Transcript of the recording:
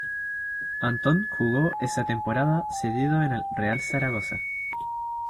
Antón jugó esa temporada cedido en el Real Zaragoza.